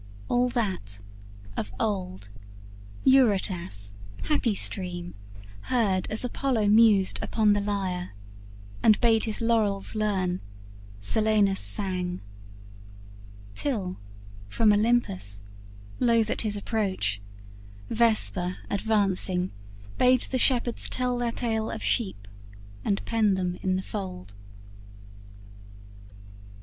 All that, of old, Eurotas, happy stream, Heard, as Apollo mused upon the lyre, And bade his laurels learn, Silenus sang; Till from Olympus, loth at his approach, Vesper, advancing, bade the shepherds tell Their tale of sheep, and pen them in the fold.